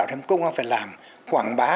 không phải làm quảng bá